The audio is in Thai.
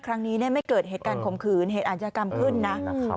ครั้งนี้ไม่เกิดเหตุการณ์ข่มขืนเหตุอาชญากรรมขึ้นนะ